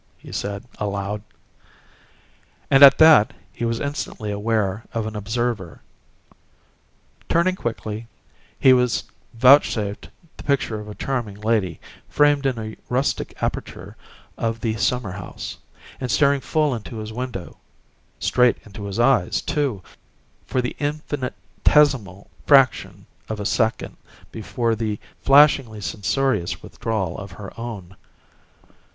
he said, aloud. And at that he was instantly aware of an observer. Turning quickly, he was vouchsafed the picture of a charming lady, framed in a rustic aperture of the "summer house" and staring full into his window straight into his eyes, too, for the infinitesimal fraction of a second before the flashingly censorious withdrawal of her own.